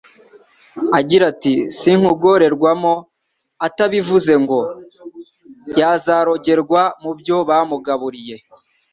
agira ati Sinkurogerwamo Atabivuze ngo, yazarogerwa mubyo bamugaburiye